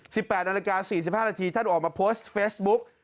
ปี๘นาฬิกา๔๕นาทีท่านออกมาโพสต์เฟสบุ๊ค